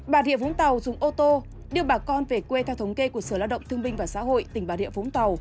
bà rịa vũng tàu dùng ô tô đưa bà con về quê theo thống kê của sở lao động thương minh và xã hội tỉnh bà địa vũng tàu